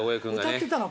歌ってたの？